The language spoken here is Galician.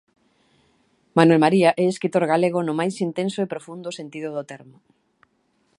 Manuel María é escritor galego no máis intenso e profundo sentido do termo.